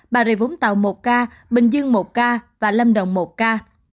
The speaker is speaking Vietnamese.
bà rịa vũng tàu một ca bình dương một ca và lâm đồng một ca